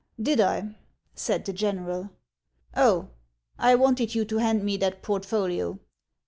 " Did I ?" said the general. " Oh, I wanted you to hand me that portfolio."